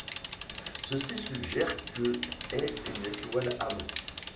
Ceci suggère que est une étoile Am.